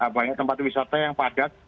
banyak tempat wisata yang padat